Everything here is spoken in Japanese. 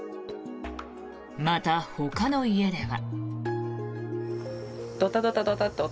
また、ほかの家では。